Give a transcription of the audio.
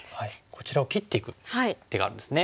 こちらを切っていく手があるんですね。